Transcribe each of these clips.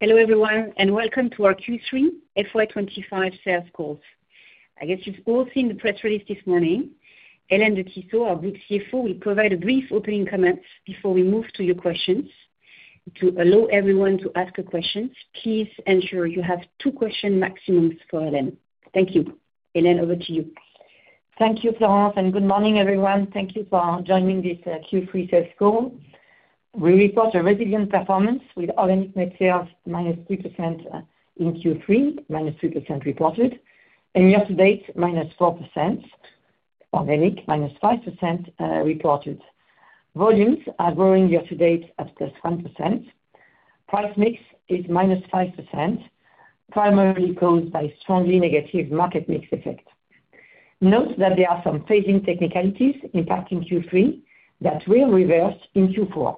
Hello everyone, and welcome to our Q3 FY 2025 sales calls. I guess you've all seen the press release this morning. Hélène de Tissot, our Group CFO, will provide a brief opening comment before we move to your questions. To allow everyone to ask a question, please ensure you have two question maximums for Hélène. Thank you. Hélène, over to you. Thank you, Florence, and good morning everyone. Thank you for joining this Q3 sales call. We report a resilient performance with organic sales -3% in Q3, -3% reported, and year-to-date -4% organic, -5% reported. Volumes are growing year-to-date at +1%. Price mix is -5%, primarily caused by strongly negative market mix effect. Note that there are some phasing technicalities impacting Q3 that will reverse in Q4.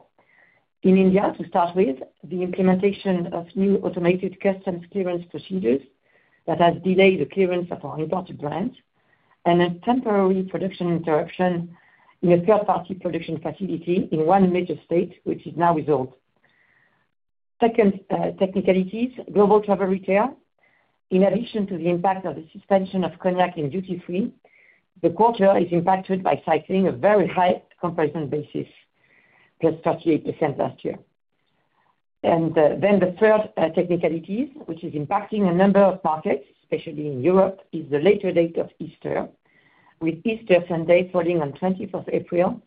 In India, to start with, the implementation of new automated customs clearance procedures that has delayed the clearance of our imported brands, and a temporary production interruption in a third-party production facility in one major state, which is now resolved. Second technicalities, Global Travel Retail. In addition to the impact of the suspension of cognac in duty-free, the quarter is impacted by cycling a very high comparison basis, +38% last year. The third technicality, which is impacting a number of markets, especially in Europe, is the later date of Easter, with Easter Sunday falling on 24th April,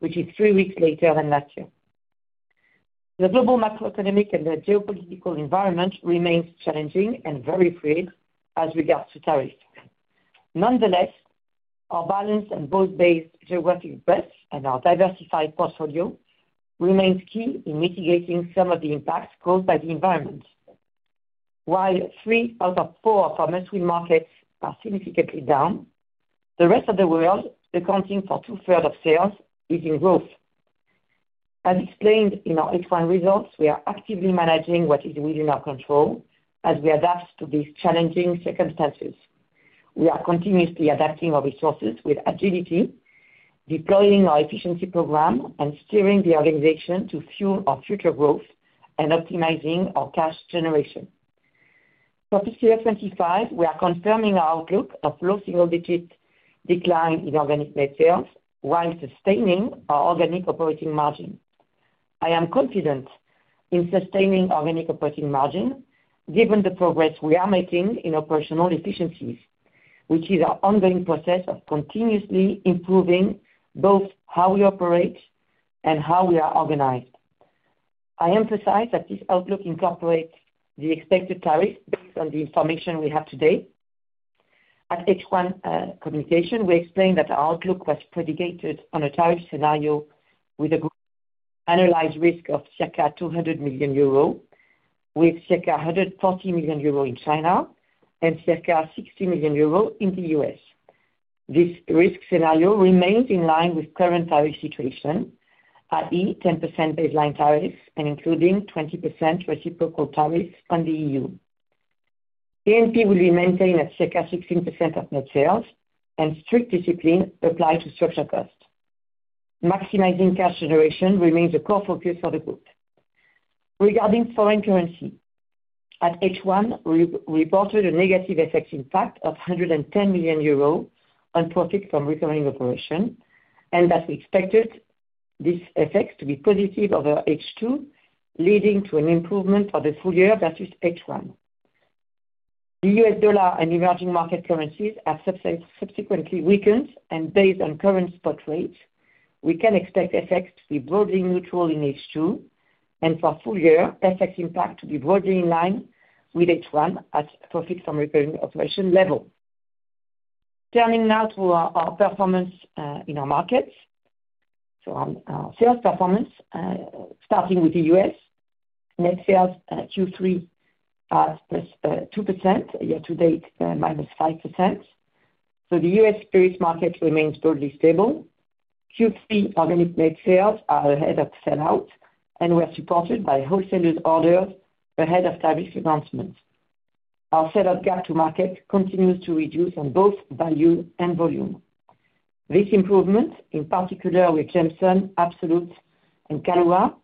which is three weeks later than last year. The global macroeconomic and geopolitical environment remains challenging and very frayed as regards to tariffs. Nonetheless, our balanced and broad-based geographic breadth and our diversified portfolio remain key in mitigating some of the impacts caused by the environment. While three out of four of our commerce markets are significantly down, the rest of the world, accounting for two-thirds of sales, is in growth. As explained in our H1 results, we are actively managing what is within our control as we adapt to these challenging circumstances. We are continuously adapting our resources with agility, deploying our efficiency program, and steering the organization to fuel our future growth and optimizing our cash generation. For fiscal year 2025, we are confirming our outlook of low single-digit decline in organic net sales, while sustaining our organic operating margin. I am confident in sustaining organic operating margin given the progress we are making in operational efficiencies, which is our ongoing process of continuously improving both how we operate and how we are organized. I emphasize that this outlook incorporates the expected tariffs based on the information we have today. At H1 communication, we explained that our outlook was predicated on a tariff scenario with an annualized risk of circa 200 million euro, with circa 140 million euro in China and circa 60 million euro in the U.S. This risk scenario remains in line with current tariff situation, i.e., 10% baseline tariff and including 20% reciprocal tariff on the EU. A&P will be maintained at circa 16% of net sales, and strict discipline applied to structure cost. Maximizing cash generation remains a core focus for the group. Regarding foreign currency, at H1, we reported a negative FX impact of 110 million euros on profit from recurring operation, and that we expected this effect to be positive over H2, leading to an improvement for the full year versus H1. The U.S. dollar and emerging market currencies have subsequently weakened, and based on current spot rates, we can expect FX to be broadly neutral in H2, and for full year, FX impact to be broadly in line with H1 at profit from recurring operation level. Turning now to our performance in our markets, our sales performance, starting with the U.S., net sales Q3 at 2%, year-to-date -5%. The U.S. spirits market remains broadly stable. Q3 organic net sales are ahead of sell-out, and we are supported by wholesalers' orders ahead of tariffs announcements. Our sell-out gap to market continues to reduce on both value and volume. This improvement, in particular with Jameson, Absolut, and Kahlúa,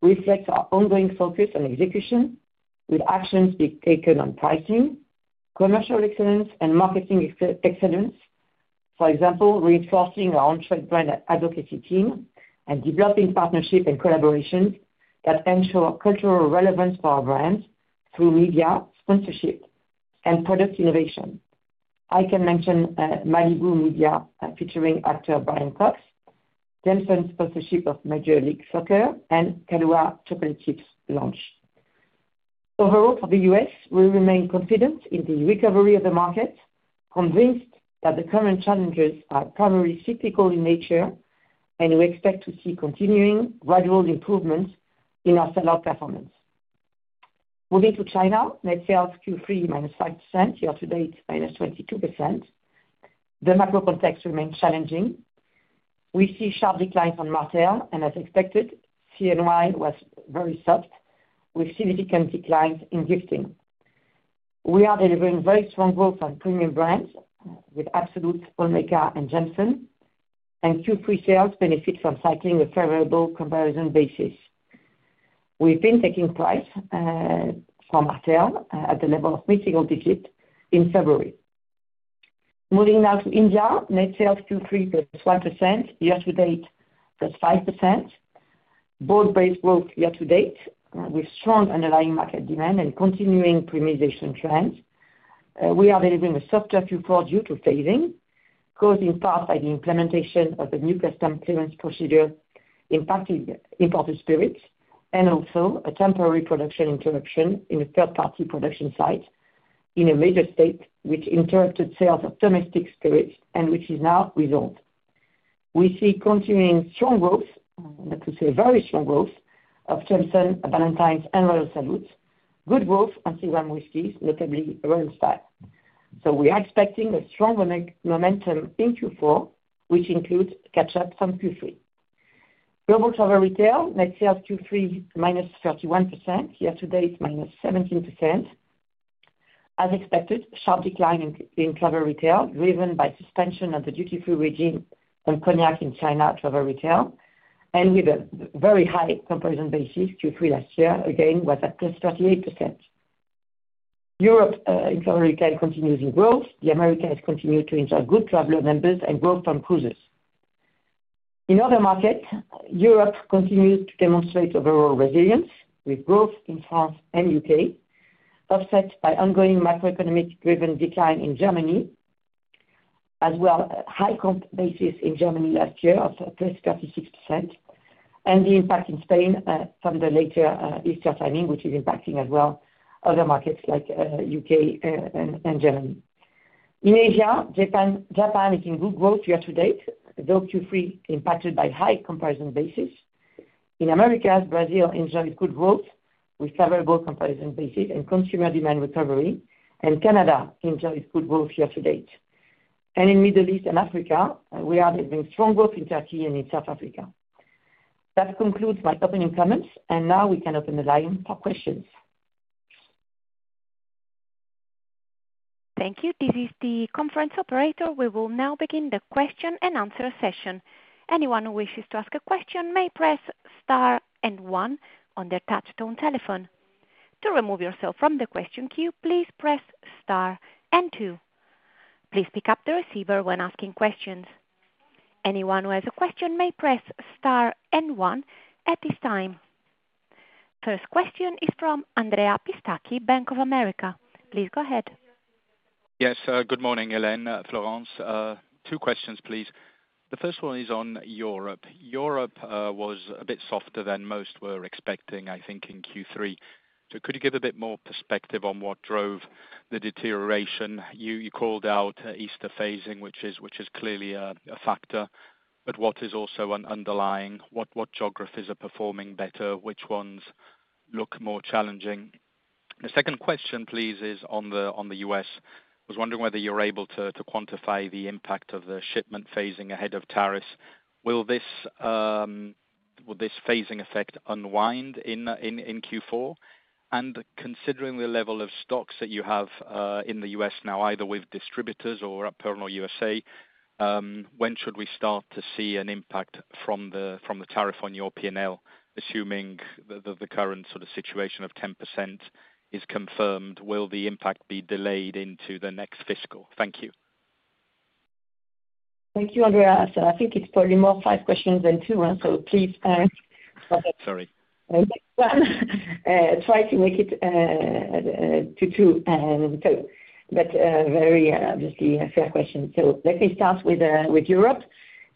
reflects our ongoing focus on execution, with actions being taken on pricing, commercial excellence, and marketing excellence. For example, reinforcing our own trade brand advocacy team and developing partnerships and collaborations that ensure cultural relevance for our brands through media sponsorship and product innovation. I can mention Malibu Media featuring actor Brian Cox, Jameson sponsorship of Major League Soccer, and Kahlúa Chocolate Sips launch. Overall, for the U.S., we remain confident in the recovery of the market, convinced that the current challenges are primarily cyclical in nature, and we expect to see continuing gradual improvements in our sell-out performance. Moving to China, net sales Q3 -5%, year-to-date -22%. The macro context remains challenging. We see sharp declines on Martell, and as expected, CNY was very soft, with significant declines in gifting. We are delivering very strong growth on premium brands with Absolut, Olmeca and Jameson, and Q3 sales benefit from cycling a favorable comparison basis. We've been taking price from Martell at the level of mid-single digits in February. Moving now to India, net sales Q3 +1%, year-to-date +5%, both-based growth year-to-date with strong underlying market demand and continuing premiumization trends. We are delivering a softer Q4 due to phasing, caused in part by the implementation of a new customs clearance procedure impacting imported spirits, and also a temporary production interruption in a third-party production site in a major state, which interrupted sales of domestic spirits and which is now resolved. We see continuing strong growth, not to say very strong growth, of Jameson, Ballantine's, and Royal Salute, good growth on Seagram’s whiskies, notably Royal Stag. We are expecting a strong momentum in Q4, which includes catch-up from Q3. Global Travel Retail, net sales Q3 -31%, year-to-date -17%. As expected, sharp decline in Travel Retail driven by suspension of the duty-free regime on cognac in China Travel Retail, and with a very high comparison basis, Q3 last year again was at +38%. Europe in Travel Retail continues in growth. The Americas continue to enjoy good traveler numbers and growth on cruises. In other markets, Europe continues to demonstrate overall resilience with growth in France and U.K., offset by ongoing macroeconomic driven decline in Germany, as well as high comp basis in Germany last year of plus 36%, and the impact in Spain from the later Easter timing, which is impacting as well other markets like U.K. and Germany. In Asia, Japan is in good growth year-to-date, though Q3 impacted by high comparison basis. In Americas, Brazil enjoys good growth with favorable comparison basis and consumer demand recovery, and Canada enjoys good growth year-to-date. In the Middle East and Africa, we are having strong growth in Turkey and in South Africa. That concludes my opening comments, and now we can open the line for questions. Thank you. This is the conference operator. We will now begin the question-and-answer session. Anyone who wishes to ask a question may press star and one on their touch-tone telephone. To remove yourself from the question queue, please press star and two. Please pick up the receiver when asking questions. Anyone who has a question may press star and one at this time. First question is from Andrea Pistacchi, Bank of America. Please go ahead. Yes, good morning, Hélène, Florence. Two questions, please. The first one is on Europe. Europe was a bit softer than most were expecting, I think, in Q3. Could you give a bit more perspective on what drove the deterioration? You called out Easter phasing, which is clearly a factor, but what is also underlying? What geographies are performing better? Which ones look more challenging? The second question, please, is on the U.S. I was wondering whether you're able to quantify the impact of the shipment phasing ahead of tariffs. Will this phasing effect unwind in Q4? Considering the level of stocks that you have in the U.S. now, either with distributors or at Pernod U.S.A., when should we start to see an impact from the tariff on your P&L? Assuming the current sort of situation of 10% is confirmed, will the impact be delayed into the next fiscal? Thank you. Thank you, Andrea. I think it's probably more five questions than two, so please. Sorry. Try to make it to two. Very obviously a fair question. Let me start with Europe.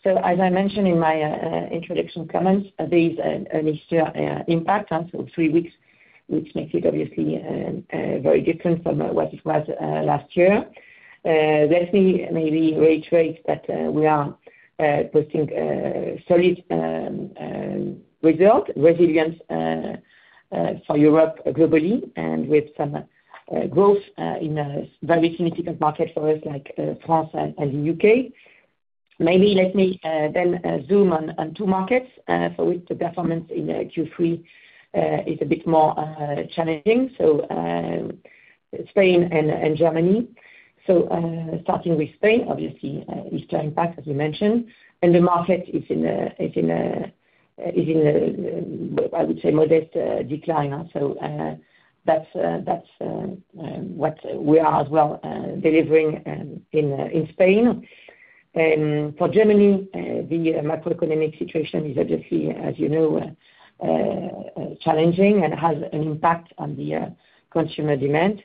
As I mentioned in my introduction comments, there is an Easter impact for three weeks, which makes it obviously very different from what it was last year. Let me maybe reiterate that we are posting solid results, resilience for Europe globally, and with some growth in very significant markets for us like France and the U.K. Maybe let me then zoom on two markets for which the performance in Q3 is a bit more challenging. Spain and Germany. Starting with Spain, obviously Easter impact, as you mentioned. The market is in, I would say, modest decline. That is what we are as well delivering in Spain. For Germany, the macroeconomic situation is obviously, as you know, challenging and has an impact on the consumer demand.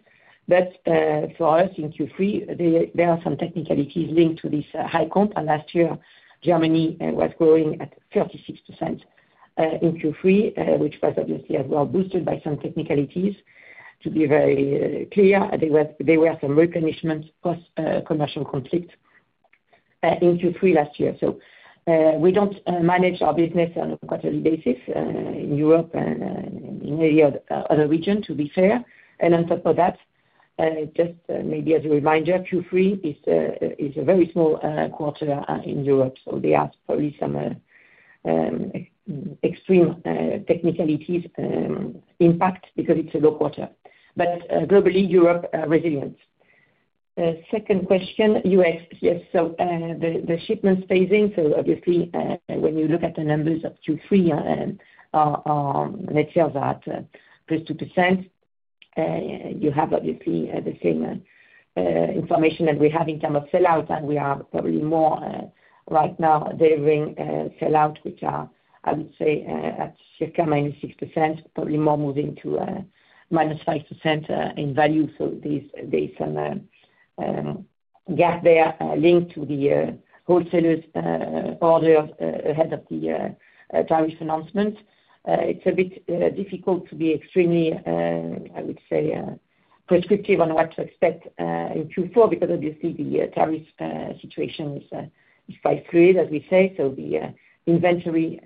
For us in Q3, there are some technicalities linked to this high comp. Last year, Germany was growing at 36% in Q3, which was obviously as well boosted by some technicalities. To be very clear, there were some replenishment post-commercial conflict in Q3 last year. We do not manage our business on a quarterly basis in Europe and in any other region, to be fair. On top of that, just maybe as a reminder, Q3 is a very small quarter in Europe. There are probably some extreme technicalities impact because it is a low quarter. Globally, Europe resilience. Second question, U.S. Yes. The shipment phasing, obviously when you look at the numbers of Q3, net sales are at +2%. You have obviously the same information that we have in terms of sell-out, and we are probably more right now delivering sell-out, which are, I would say, at circa -6%, probably more moving to -5% in value. There is some gap there linked to the wholesalers' order ahead of the tariff announcement. It is a bit difficult to be extremely, I would say, prescriptive on what to expect in Q4 because obviously the tariff situation is quite fluid, as we say. The inventory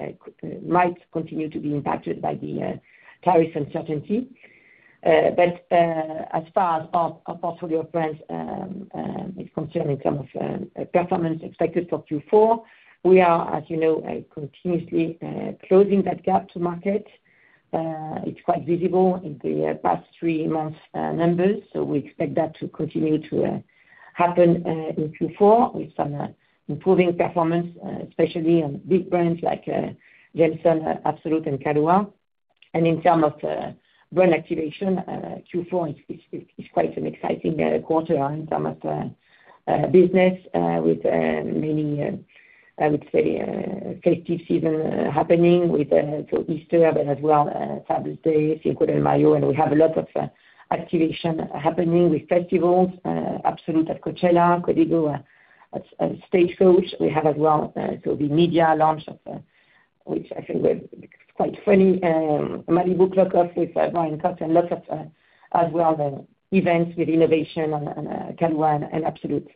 might continue to be impacted by the tariff uncertainty. As far as our portfolio of brands is concerned in terms of performance expected for Q4, we are, as you know, continuously closing that gap to market. It is quite visible in the past three months' numbers. We expect that to continue to happen in Q4 with some improving performance, especially on big brands like Jameson, Absolut, and Kahlúa. In terms of brand activation, Q4 is quite an exciting quarter in terms of business, with many, I would say, festive seasons happening, with Easter, but as well Father's Day, Cinco de Mayo. We have a lot of activation happening with festivals, Absolut at Coachella, Código at Stagecoach. We have as well the media launch, which I think was quite funny, Malibu Clock Off with Brian Cox, and lots of as well events with Innovation and Kahlúa and Absolut.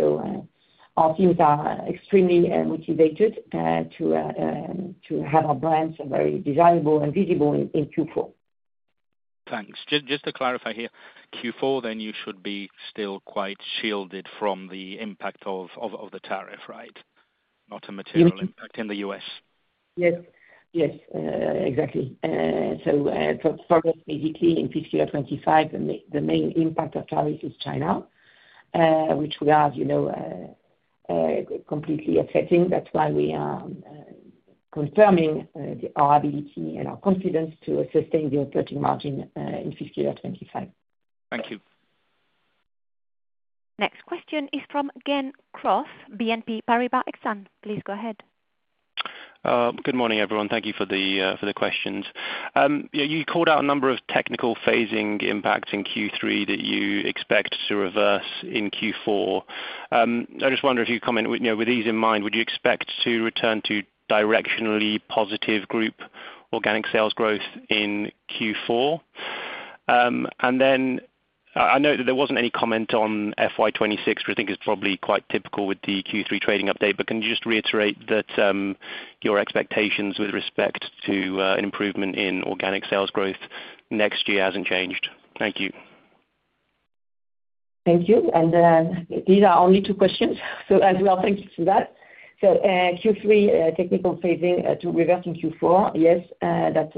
Our teams are extremely motivated to have our brands very desirable and visible in Q4. Thanks. Just to clarify here, Q4 then you should be still quite shielded from the impact of the tariff, right? Not a material impact in the U.S. Yes. Yes, exactly. For us, basically in fiscal year 2025, the main impact of tariff is China, which we are completely accepting. That is why we are confirming our ability and our confidence to sustain the operating margin in fiscal year 2025. Thank you. Next question is from Gen Cross, BNP Paribas Exane. Please go ahead. Good morning, everyone. Thank you for the questions. You called out a number of technical phasing impacts in Q3 that you expect to reverse in Q4. I just wonder if you comment, with these in mind, would you expect to return to directionally positive group organic sales growth in Q4? I note that there was not any comment on FY 2026, which I think is probably quite typical with the Q3 trading update. Can you just reiterate that your expectations with respect to an improvement in organic sales growth next year has not changed? Thank you. Thank you. These are only two questions, so thank you for that. Q3 technical phasing to reverse in Q4, yes, that's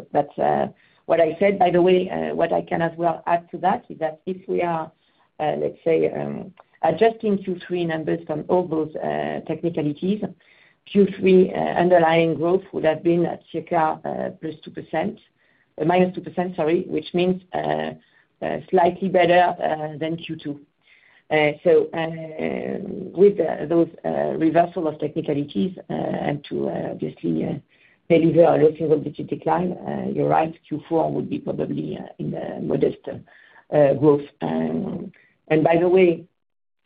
what I said. By the way, what I can as well add to that is that if we are, let's say, adjusting Q3 numbers from all those technicalities, Q3 underlying growth would have been circa +2%, -2%, sorry, which means slightly better than Q2. With those reversal of technicalities and to obviously deliver a lesser obvious decline, you're right, Q4 would be probably in modest growth. By the way,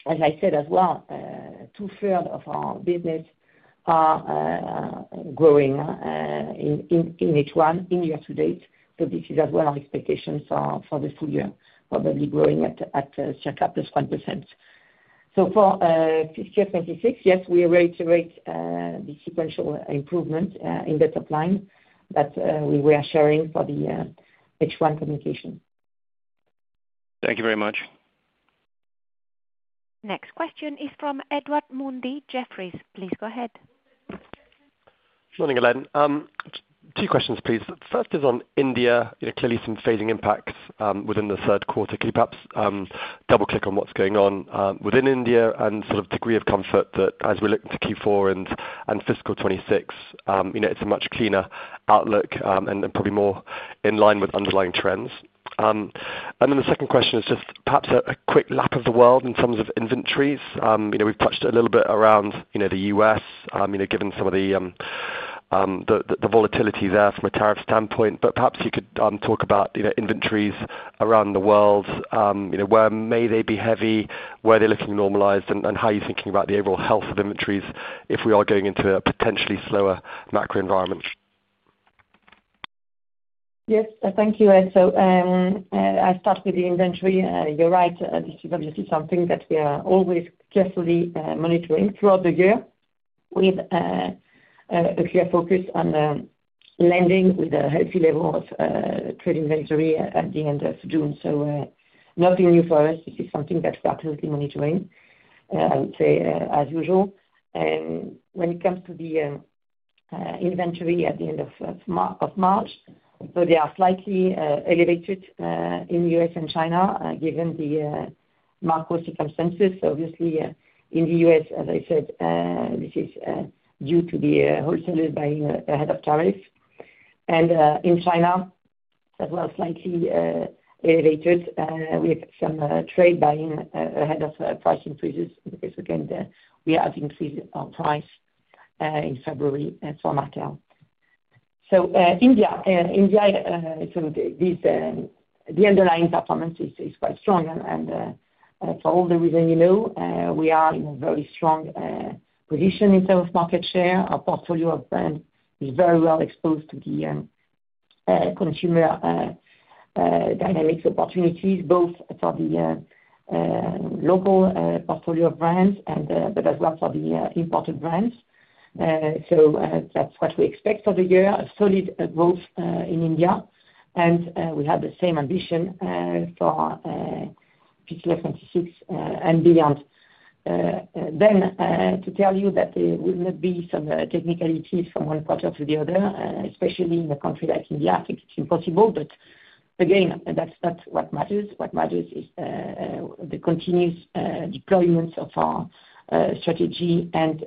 as I said as well, two-thirds of our business are growing in H1 in year-to-date. This is as well our expectation for the full year, probably growing at circa +1%. For fiscal year 2026, yes, we reiterate the sequential improvement in the top line that we were sharing for the H1 communication. Thank you very much. Next question is from Edward Mundy Jefferies. Please go ahead. Good morning, Hélène. Two questions, please. First is on India, clearly some phasing impacts within the third quarter. Could you perhaps double-click on what's going on within India and sort of degree of comfort that as we look to Q4 and fiscal 2026, it's a much cleaner outlook and probably more in line with underlying trends. The second question is just perhaps a quick lap of the world in terms of inventories. We've touched a little bit around the U.S., given some of the volatility there from a tariff standpoint. Perhaps you could talk about inventories around the world. Where may they be heavy? Where are they looking normalized? How are you thinking about the overall health of inventories if we are going into a potentially slower macro environment? Yes, thank you. I start with the inventory. You're right. This is obviously something that we are always carefully monitoring throughout the year with a clear focus on ending with a healthy level of trade inventory at the end of June. Nothing new for us. This is something that we're absolutely monitoring, I would say, as usual. When it comes to the inventory at the end of March, they are slightly elevated in the U.S. and China given the macro circumstances. In the U.S., as I said, this is due to the wholesalers buying ahead of tariff. In China, it is as well slightly elevated with some trade buying ahead of price increases because we had an increase in price in February for Martell. India, the underlying performance is quite strong. For all the reasons you know, we are in a very strong position in terms of market share. Our portfolio of brands is very well exposed to the consumer dynamics opportunities, both for the local portfolio of brands but as well for the imported brands. That is what we expect for the year, a solid growth in India. We have the same ambition for fiscal year 2026 and beyond. To tell you that there will not be some technicalities from one quarter to the other, especially in a country like India, I think it is impossible. Again, that is not what matters. What matters is the continuous deployment of our strategy and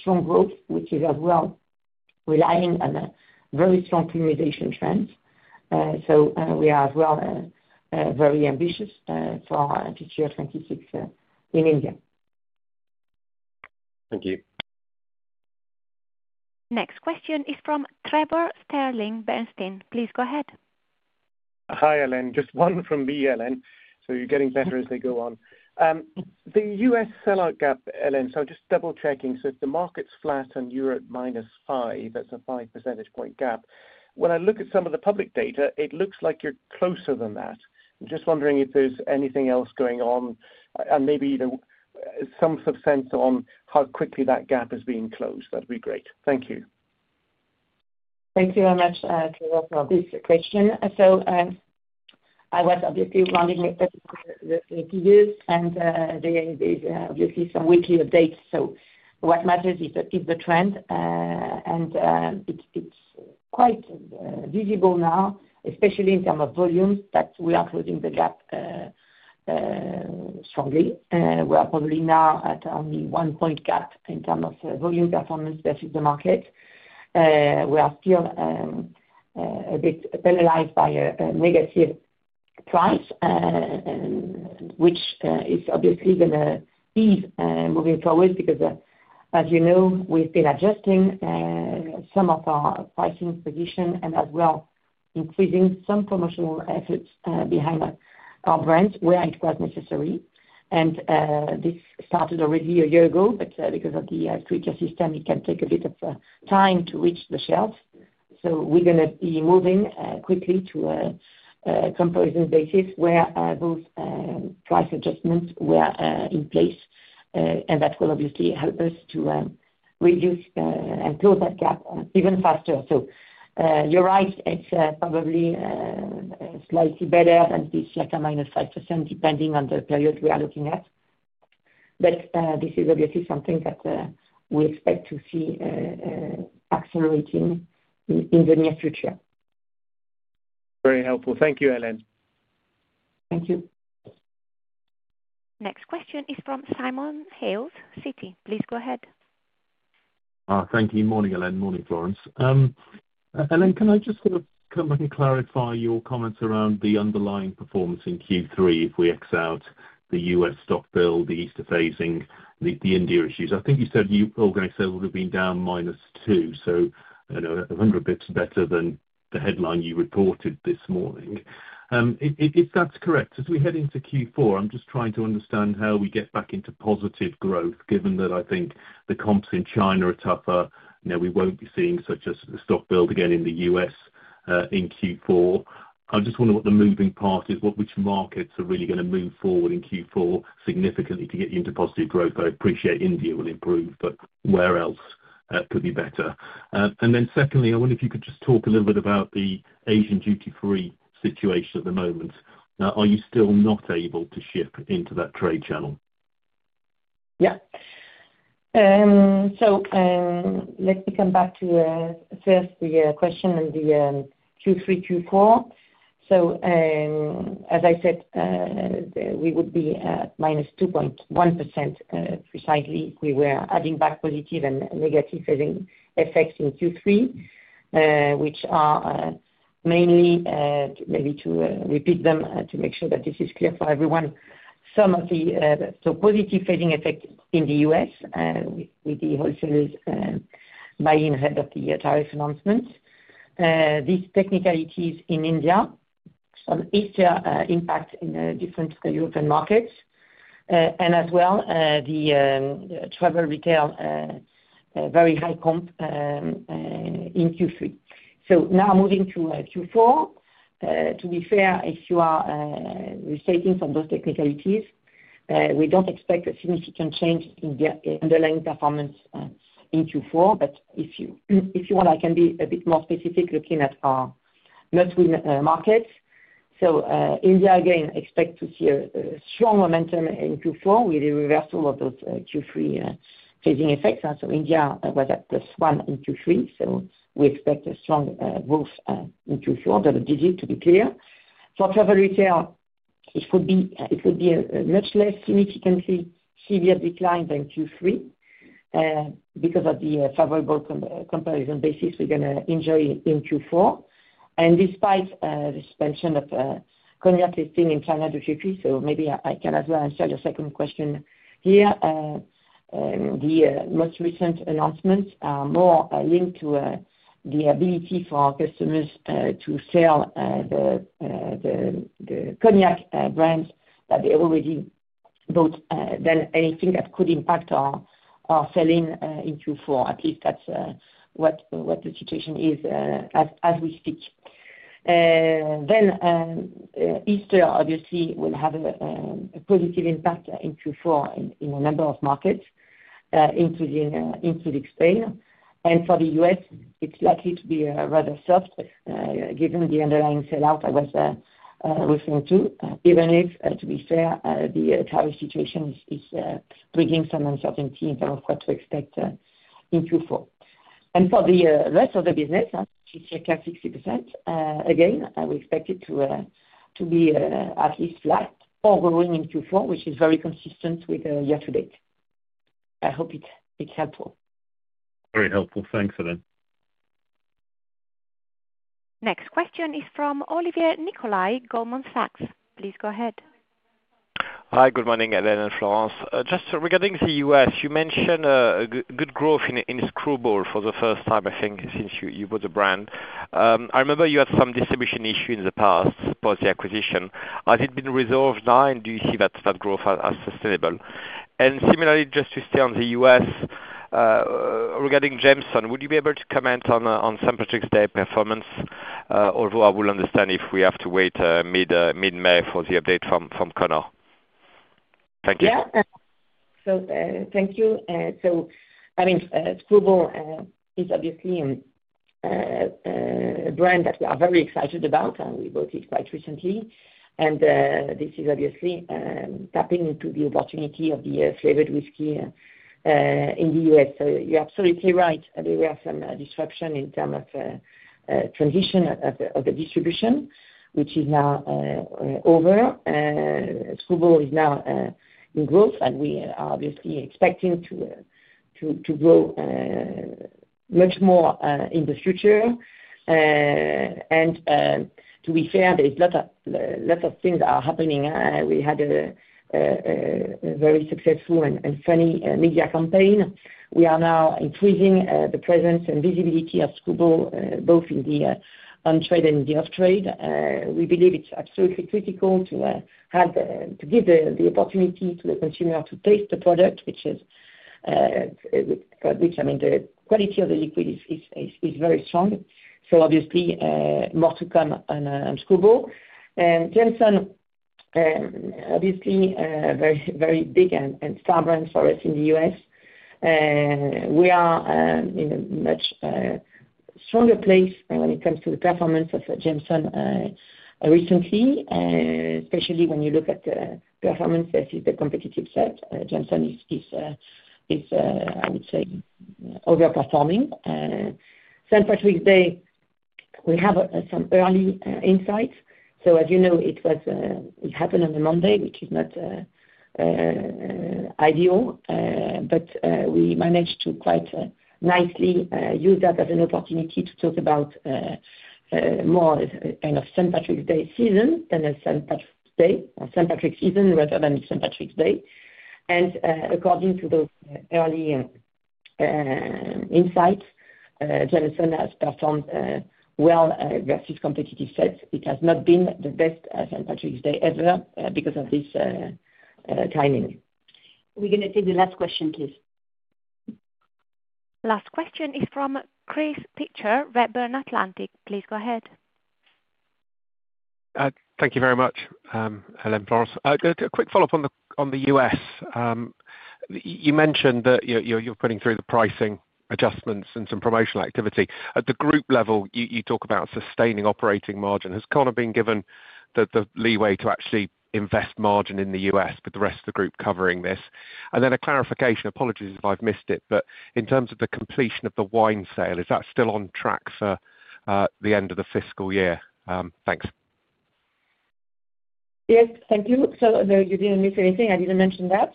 strong growth, which is as well relying on very strong polarization trends. We are as well very ambitious for fiscal year 2026 in India. Thank you. Next question is from Trevor Stirling, Bernstein. Please go ahead. Hi, Hélène. Just one from me, Hélène. You're getting better as they go on. The U.S. sell-out gap, Hélène, just double-checking. If the market's flat and you're at -5, that's a 5 percentage point gap. When I look at some of the public data, it looks like you're closer than that. Just wondering if there's anything else going on and maybe some substance on how quickly that gap is being closed. That would be great. Thank you. Thank you very much, Trevor, for this question. I was obviously running with the figures and there's obviously some weekly updates. What matters is the trend. It's quite visible now, especially in terms of volumes, that we are closing the gap strongly. We are probably now at only one point gap in terms of volume performance versus the market. We are still a bit penalized by a negative price, which is obviously going to ease moving forward because, as you know, we've been adjusting some of our pricing position and as well increasing some promotional efforts behind our brands where it was necessary. This started already a year ago, but because of the stricter system, it can take a bit of time to reach the shelf. We're going to be moving quickly to a comparison basis where those price adjustments were in place. That will obviously help us to reduce and close that gap even faster. You're right, it's probably slightly better than this circa -5% depending on the period we are looking at. This is obviously something that we expect to see accelerating in the near future. Very helpful. Thank you, Hélène. Thank you. Next question is from Simon Hales, Citi. Please go ahead. Thank you. Morning, Hélène. Morning, Florence. Hélène, can I just sort of come back and clarify your comments around the underlying performance in Q3 if we exclude the U.S. stock build, the Easter phasing, the India issues? I think you said your organic sales would have been down -2, so 100 basis points better than the headline you reported this morning. If that's correct, as we head into Q4, I'm just trying to understand how we get back into positive growth, given that I think the comps in China are tougher. We won't be seeing such a stock build again in the U.S. in Q4. I just wonder what the moving part is, which markets are really going to move forward in Q4 significantly to get you into positive growth. I appreciate India will improve, but where else could be better? I wonder if you could just talk a little bit about the Asian duty-free situation at the moment. Are you still not able to ship into that trade channel? Yeah. Let me come back to first the question in the Q3, Q4. As I said, we would be at -2.1% precisely if we were adding back positive and negative phasing effects in Q3, which are mainly, maybe to repeat them to make sure that this is clear for everyone, some of the positive phasing effects in the U.S. with the wholesalers buying ahead of the tariff announcements. These technicalities in India, some Easter impact in different European markets, and as well the Travel Retail, very high comp in Q3. Now moving to Q4, to be fair, if you are restating from those technicalities, we do not expect a significant change in the underlying performance in Q4. If you want, I can be a bit more specific looking at our Must-Win markets. India, again, expect to see a strong momentum in Q4 with a reversal of those Q3 phasing effects. India was at +1% in Q3. We expect a strong growth in Q4, double-digit to be clear. For Travel Retail, it would be a much less significantly severe decline than Q3 because of the favorable comparison basis we're going to enjoy in Q4. Despite the suspension of cognac listing in China to Q3, maybe I can as well answer your second question here. The most recent announcements are more linked to the ability for our customers to sell the cognac brands that they already bought than anything that could impact our selling in Q4. At least that's what the situation is as we speak. Easter, obviously, will have a positive impact in Q4 in a number of markets, including Spain. For the U.S., it's likely to be rather soft given the underlying sell-out I was referring to, even if, to be fair, the tariff situation is bringing some uncertainty in terms of what to expect in Q4. For the rest of the business, it's circa 60%. Again, we expect it to be at least flat or growing in Q4, which is very consistent with year-to-date. I hope it's helpful. Very helpful. Thanks, Hélène. Next question is from Olivier Nicolai, Goldman Sachs. Please go ahead. Hi, good morning, Hélène and Florence. Just regarding the U.S., you mentioned good growth in Skrewball for the first time, I think, since you bought the brand. I remember you had some distribution issue in the past post the acquisition. Has it been resolved now, and do you see that growth as sustainable? Similarly, just to stay on the U.S., regarding Jameson, would you be able to comment on St. Patrick's Day performance, although I will understand if we have to wait mid-May for the update from cognac? Thank you. Yeah. Thank you. I mean, Skrewball is obviously a brand that we are very excited about, and we bought it quite recently. This is obviously tapping into the opportunity of the flavored whiskey in the U.S. You are absolutely right. There were some disruptions in terms of transition of the distribution, which is now over. Skrewball is now in growth, and we are obviously expecting to grow much more in the future. To be fair, there is a lot of things that are happening. We had a very successful and funny media campaign. We are now increasing the presence and visibility of Skrewball both in the on-trade and in the off-trade. We believe it is absolutely critical to give the opportunity to the consumer to taste the product, which is, I mean, the quality of the liquid is very strong. Obviously, more to come on Skrewball. Jameson, obviously, a very big and strong brand for us in the U.S. We are in a much stronger place when it comes to the performance of Jameson recently, especially when you look at the performance versus the competitive side. Jameson is, I would say, overperforming. St. Patrick's Day, we have some early insights. As you know, it happened on a Monday, which is not ideal. We managed to quite nicely use that as an opportunity to talk about more of St. Patrick's Day season than a St. Patrick's Day or St. Patrick's season rather than St. Patrick's Day. According to those early insights, Jameson has performed well versus competitive sets. It has not been the best St. Patrick's Day ever because of this timing. We're going to take the last question, please. Last question is from Chris Pitcher, Redburn Atlantic. Please go ahead. Thank you very much, Hélène, Florence. A quick follow-up on the U.S. You mentioned that you're putting through the pricing adjustments and some promotional activity. At the group level, you talk about sustaining operating margin. Has cognac been given the leeway to actually invest margin in the U.S. with the rest of the group covering this? A clarification, apologies if I've missed it, but in terms of the completion of the wine sale, is that still on track for the end of the fiscal year? Thanks. Yes, thank you. You did not miss anything. I did not mention that.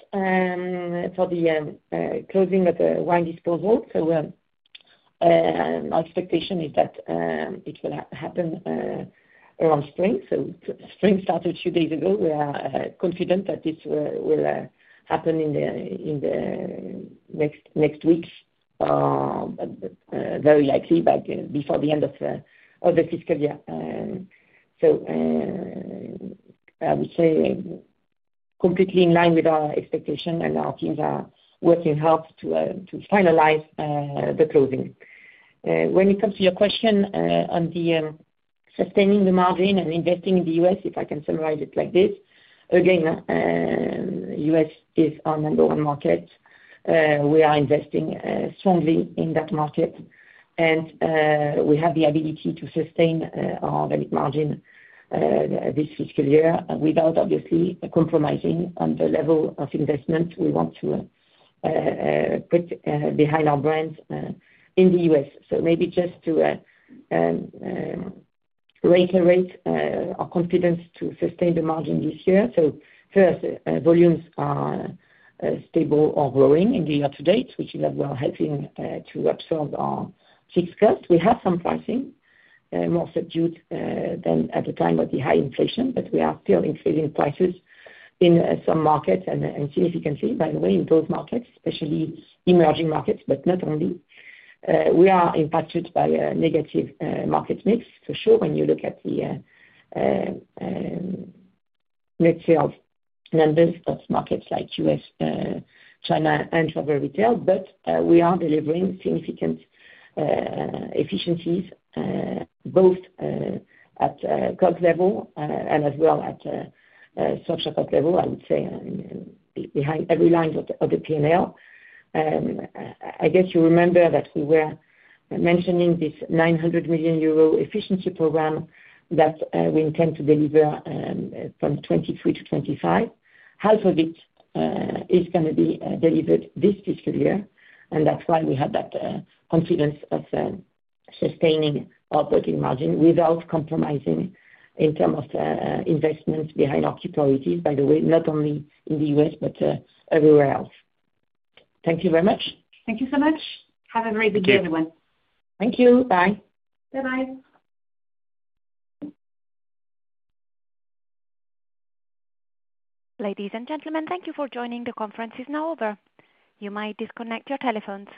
For the closing of the wine disposal, our expectation is that it will happen around spring. Spring started two days ago. We are confident that this will happen in the next weeks, very likely before the end of the fiscal year. I would say completely in line with our expectation, and our teams are working hard to finalize the closing. When it comes to your question on sustaining the margin and investing in the U.S., if I can summarize it like this, again, the U.S. is our number one market. We are investing strongly in that market, and we have the ability to sustain our organic margin this fiscal year without, obviously, compromising on the level of investment we want to put behind our brands in the U.S. Maybe just to reiterate our confidence to sustain the margin this year. First, volumes are stable or growing in the year-to-date, which is what is helping to absorb our fixed costs. We have some pricing more subdued than at the time of the high inflation, but we are still increasing prices in some markets and significantly, by the way, in both markets, especially emerging markets, but not only. We are impacted by a negative market mix for sure when you look at the net sales numbers of markets like U.S., China, and Travel Retail. We are delivering significant efficiencies both at COGS level and as well at structure level, I would say, behind every line of the P&L. I guess you remember that we were mentioning this 900 million euro efficiency program that we intend to deliver from 2023 to 2025. Half of it is going to be delivered this fiscal year, and that's why we have that confidence of sustaining our operating margin without compromising in terms of investments behind our key priorities, by the way, not only in the U.S., but everywhere else. Thank you very much. Thank you so much. Have a very good day, everyone. Thank you. Bye. Bye-bye. Ladies and gentlemen, thank you for joining. The conference is now over. You may disconnect your telephones.